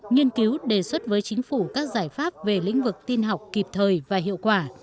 nghiên cứu đề xuất với chính phủ các giải pháp về lĩnh vực tin học kịp thời và hiệu quả